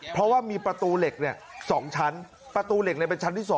เพราะว่ามีประตูเหล็ก๒ชั้นประตูเหล็กเป็นชั้นที่๒